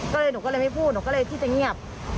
คุณพ่อคุณว่าไง